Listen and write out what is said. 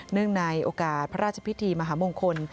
ในโอกาสพระราชพิธีมหามงคล